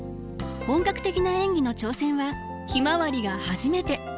本格的な演技の挑戦は「ひまわり」が初めて。